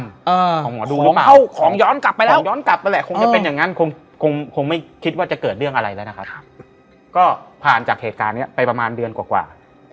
ของหมอดูของย้อนกลับไปแล้วผ่านจากเหตุการณ์นี้ไปประมาณเดือนกว่า